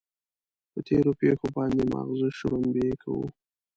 پر تېرو پېښو باندې ماغزه شړومبې کوو.